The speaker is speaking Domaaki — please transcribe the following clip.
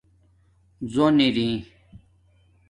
زون ارائ